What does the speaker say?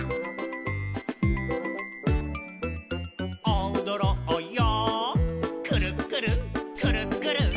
「おどろうよくるっくるくるっくる」